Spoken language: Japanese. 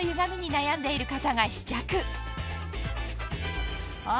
悩んでいる方が試着あ。